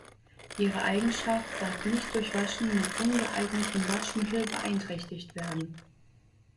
Ihre Eigenschaft darf nicht durch Waschen mit ungeeigneten Waschmitteln beeinträchtigt werden.